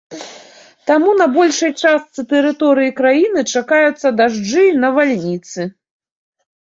Таму на большай частцы тэрыторыі краіны чакаюцца дажджы і навальніцы.